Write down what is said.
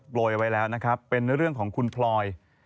โรยไว้แล้วนะครับเป็นเรื่องของคุณพลอย